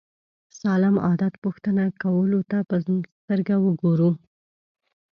سالم عادت پوښتنه کولو ته په سترګه وګورو.